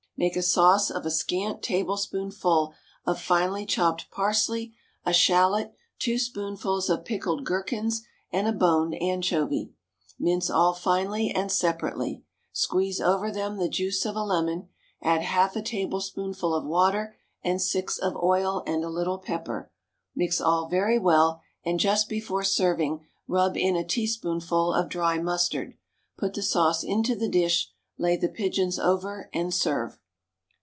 Make a sauce of a scant tablespoonful of finely chopped parsley, a shallot, two spoonfuls of pickled gherkins, and a boned anchovy. Mince all finely and separately. Squeeze over them the juice of a lemon; add half a tablespoonful of water and six of oil, and a little pepper. Mix all very well, and just before serving rub in a teaspoonful of dry mustard. Put the sauce into the dish, lay the pigeons over, and serve.